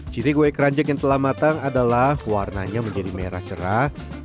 jadi kue keranjang yang telah matang adalah warnanya menjadi merah cerah